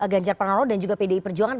ganjar pranowo dan juga pdi perjuangan